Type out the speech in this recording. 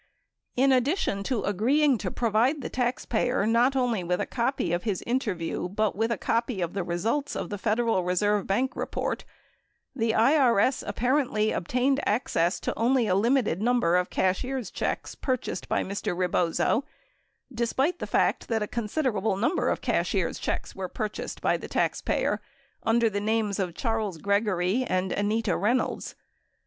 5 In addition to agreeing to provide the taxpayer not only with a copy of his interview but with a copy of the results of the Federal Reserve Bank report, the IRS apparently obtained access to only a limited number of cashier's checks purchased by Mr. Rebozo despite the fact that a considerable number of cashier's checks were purchased by the taxpayer under the names of Charles Gregory and Anita Reynolds.